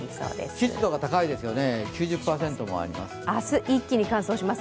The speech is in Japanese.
湿度が高いですよね、９０％もあります。